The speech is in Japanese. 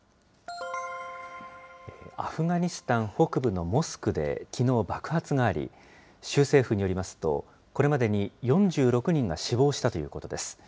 アフガニスタン北部のモスクできのう爆発があり、州政府によりますと、これまでに４６人が死亡したということです。